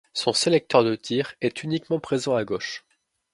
Son sélecteur de tir est uniquement présent à gauche.